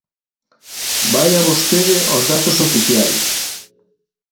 Vaia vostede aos datos oficiais.